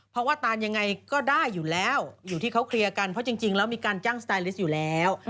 เพราะว่าตานยังไงก็ได้อยู่แล้วอยู่ที่เขาเคลียร์กันเพราะจริงแล้วมีการจ้างสไตลิสต์อยู่แล้ว